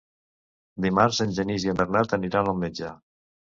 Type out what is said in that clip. Dimarts en Genís i en Bernat aniran al metge.